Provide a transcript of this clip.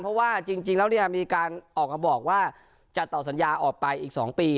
เพราะว่าจริงแล้วมีการออกมาบอกว่าจะต่อสัญญาออกไปอีก๒ปี